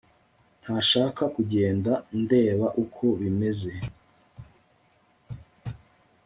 ntashaka kugenda ndeba uko bimeze